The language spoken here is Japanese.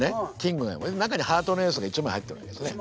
中にハートのエースが１枚入ってるんですね。